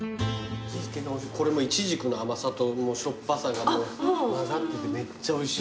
これもイチジクの甘さとしょっぱさがもう混ざっててめっちゃおいしい。